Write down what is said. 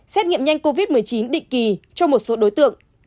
xét nghiệm nhanh covid một mươi chín định kỳ cho một số đối tượng